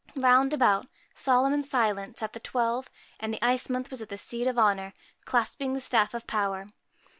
Round about, solemn and silent, sat the Twelve, and the Ice Month was on the seat of honour, clasping the staff of power.